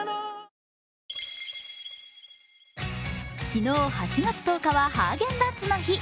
昨日８月１０日はハーゲンダッツの日。